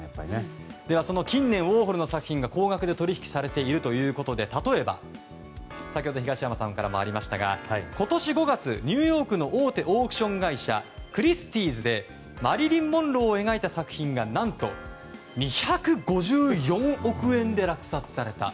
近年、そのウォーホルの作品が高額で取引されているということで例えば、先ほど東山さんからもありましたが今年５月、ニューヨークの大手オークション会社クリスティーズでマリリン・モンローを描いた作品が何と２５４億円で落札された。